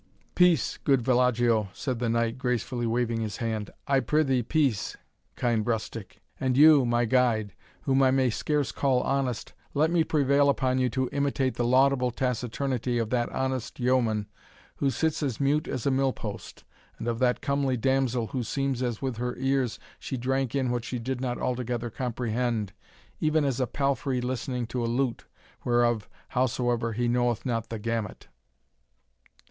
"Peace, good villagio," said the knight, gracefully waving his hand, "I prithee peace, kind rustic; and you, my guide, whom I may scarce call honest, let me prevail upon you to imitate the laudable taciturnity of that honest yeoman, who sits as mute as a mill post, and of that comely damsel, who seems as with her ears she drank in what she did not altogether comprehend, even as a palfrey listening to a lute, whereof, howsoever, he knoweth not the gamut."